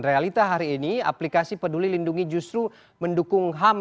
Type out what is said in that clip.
realita hari ini aplikasi peduli lindungi justru mendukung ham